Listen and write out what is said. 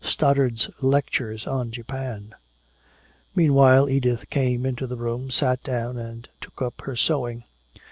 Stoddard's "Lectures on Japan." Meanwhile Edith came into the room, sat down and took up her sewing.